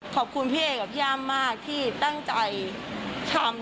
ขอบคุณพี่เอกับพี่ย่ามมากที่ตั้งใจทำ